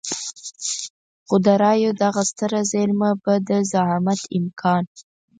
خو د رايو دغه ستره زېرمه به د زعامت امکان.